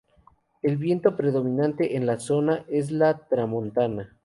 El viento predominante en la zona es la tramontana.